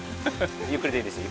ゆっくりでいいですよ。